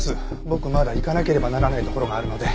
僕まだ行かなければならない所があるので。